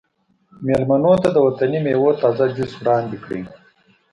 میلمنو ته د وطني میوو تازه جوس وړاندې کړئ